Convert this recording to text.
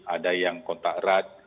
ada yang kontak erat